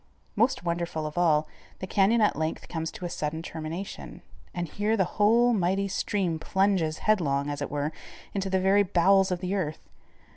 Most wonderful of all, the canyon at length comes to a sudden termination, and here the whole mighty stream plunges headlong, as it were, into the very bowels of the earth.